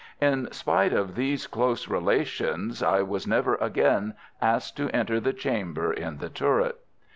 In spite of these close relations I was never again asked to enter the chamber in the turret.